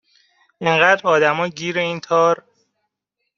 انقدرآدما گیر این تار